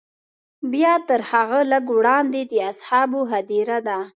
بیا تر هغه لږ وړاندې د اصحابو هدیره ده.